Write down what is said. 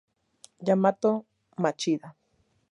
Yamato Machida